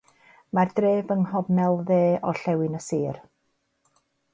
Mae'r dref yng nghornel dde orllewin y sir.